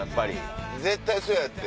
絶対そうやって。